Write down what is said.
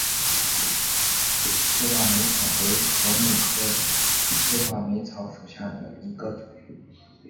细画眉草为禾本科细画眉草属下的一个种。